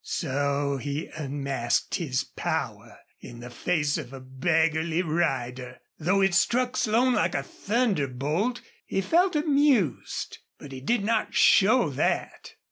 So he unmasked his power in the face of a beggarly rider! Though it struck Slone like a thunderbolt, he felt amused. But he did not show that.